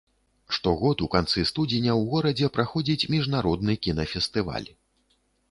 Штогод у канцы студзеня ў горадзе праходзіць міжнародны кінафестываль.